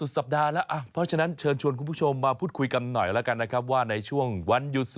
ตลอดตลอดตลอดตลอด